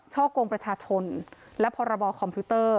กงประชาชนและพรบคอมพิวเตอร์